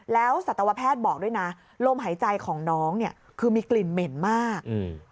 แล้วสัตวแพทย์บอกด้วยนะลมหายใจของน้องเนี่ยคือมีกลิ่นเหม็นมากอืม